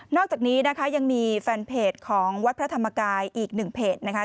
อกจากนี้นะคะยังมีแฟนเพจของวัดพระธรรมกายอีกหนึ่งเพจนะคะ